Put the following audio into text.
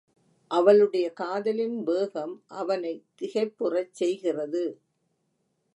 அவளுடைய காதலின் வேகம் அவனைத் திகைப்புறச் செய்கிறது.